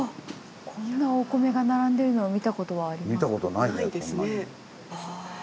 こんなお米が並んでるのを見た事はありますか？